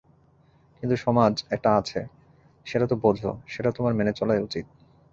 কিন্তু সমাজ একটা আছে– সেটা তো বোঝ, সেটা তোমার মেনে চলাই উচিত।